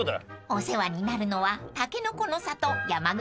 ［お世話になるのはたけのこの里山口農園さん］